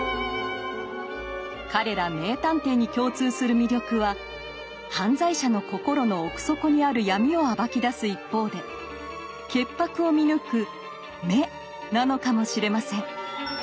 彼ら名探偵に共通する魅力は犯罪者の心の奥底にある闇を暴き出す一方で潔白を見抜く「眼」なのかもしれません。